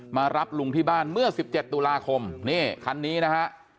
มารับลุงที่บ้านเมื่อ๑๗ตุลาคมนี่คันนี้นะฮะ